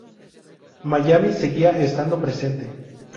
Miami seguía estando presente.